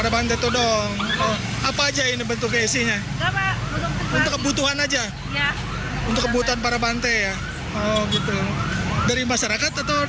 tiga puluh dua bantai tudong